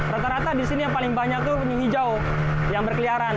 rata rata di sini yang paling banyak itu penyu hijau yang berkeliaran